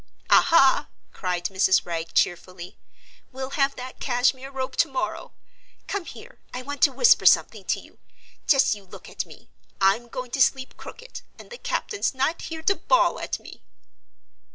"Aha!" cried Mrs. Wragge, cheerfully; "we'll have that Cashmere Robe to morrow. Come here! I want to whisper something to you. Just you look at me—I'm going to sleep crooked, and the captain's not here to bawl at me!"